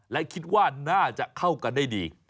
และคิดว่าน่าจะเข้ากันได้ดี